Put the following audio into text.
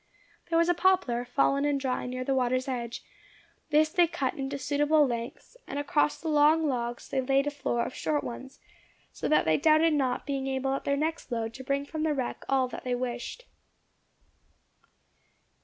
There was a poplar, fallen and dry, near the water's edge; this they cut into suitable lengths, and across the long logs they laid a floor of short ones, so that they doubted not being able at their next load to bring from the wreck all that they wished.